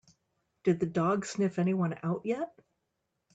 Did the dog sniff anyone out yet?